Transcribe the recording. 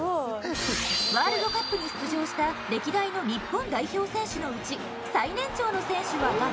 ワールドカップに出場した歴代の日本代表選手のうち最年長の選手は誰？